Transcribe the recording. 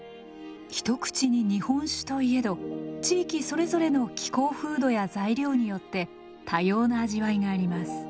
一口に日本酒と言えど地域それぞれの気候風土や材料によって多様な味わいがあります。